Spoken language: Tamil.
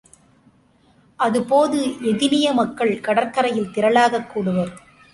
அது போது எதினிய மக்கள் கடற்கரையில் திரளாகக் கூடுவர்.